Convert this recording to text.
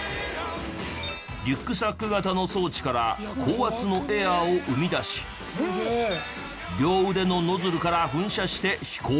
リュックサック型の装置から高圧のエアーを生み出し両腕のノズルから噴射して飛行。